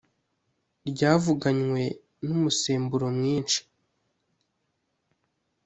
ryavuganywe n umusemburo mwinshi